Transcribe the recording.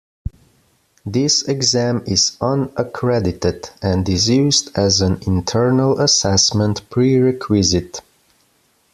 This exam is unaccredited and is used as an internal assessment prerequisite.